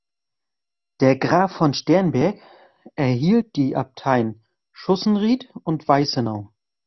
Der Graf von Sternberg erhielt die Abteien Schussenried und Weißenau.